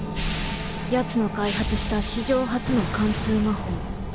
ヤツの開発した史上初の貫通魔法。